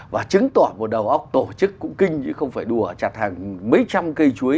và chứng tỏ một đầu óc tổ chức cũng kinh chứ không phải đùa chặt hàng mấy trăm cây chuối